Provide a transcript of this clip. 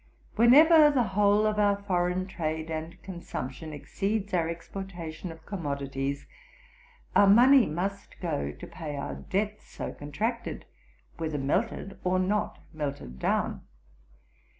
'Whenever the whole of our foreign trade and consumption exceeds our exportation of commodities, our money must go to pay our debts so contracted, whether melted or not melted down.